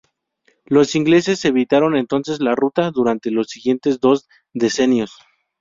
Los ingleses evitaron entonces la ruta durante los siguientes dos decenios.